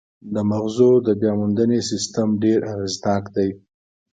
د مغزو د بیاموندنې سیستم ډېر اغېزناک دی.